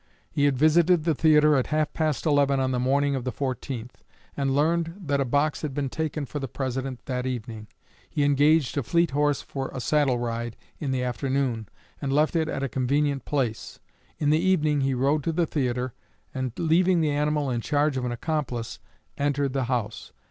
He had visited the theatre at half past eleven on the morning of the 14th, and learned that a box had been taken for the President that evening. He engaged a fleet horse for a saddle ride in the afternoon, and left it at a convenient place. In the evening he rode to the theatre, and, leaving the animal in charge of an accomplice, entered the house.